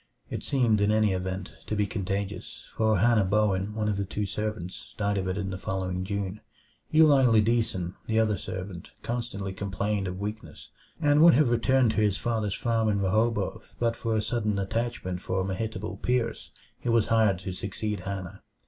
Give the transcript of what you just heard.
It seemed, in any event, to be contagious; for Hannah Bowen, one of the two servants, died of it in the following June. Eli Lideason, the other servant, constantly complained of weakness; and would have returned to his father's farm in Rehoboth but for a sudden attachment for Mehitabel Pierce, who was hired to succeed Hannah.